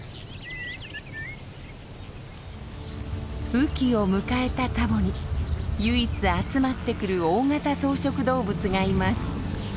雨季を迎えたツァボに唯一集まってくる大型草食動物がいます。